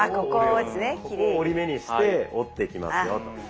ここを折り目にして折っていきますよと。